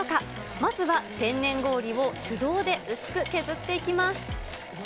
まずは天然氷を手動で薄く削っていきます。